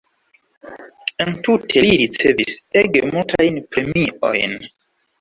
Entute li ricevis ege multajn premiojn.